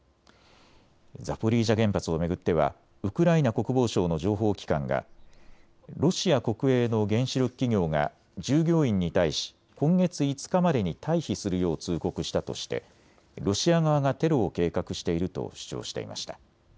ザポリージャ原発を巡ってはウクライナ国防省の情報機関がロシア国営の原子力企業が従業員に対し今月５日までに退避するよう通告したとしてロシア側がテロを計画していると主張していました。